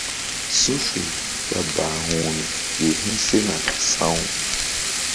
Su̧ fe ɓa bahu̧hmi ƴo hi̧ sena sa̧w.